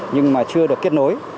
nhưng mà chưa được kết nối